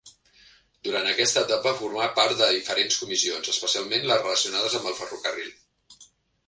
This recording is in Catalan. Durant aquesta etapa formà part de diferents comissions, especialment les relacionades amb el ferrocarril.